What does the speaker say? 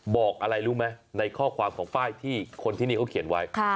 บอกอะไรรู้ไหมในข้อความของป้ายที่คนที่นี่เขาเขียนไว้